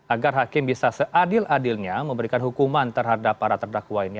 agar hakim bisa seadil adilnya memberikan hukuman terhadap para terdakwa ini